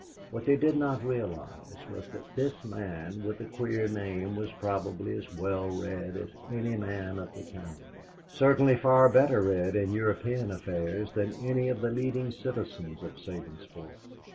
What they did not realize was that this man with his queer name was probably as well read as any man of the town, certainly far better read in European affairs than any of the leading citizens of Sabinsport.